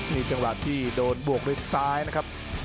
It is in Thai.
นี่จังหวะที่โดนบวกด้วยซ้ายนะครับ